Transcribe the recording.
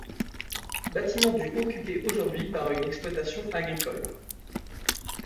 Bâtiment du occupé aujourd'hui par une exploitation agricole.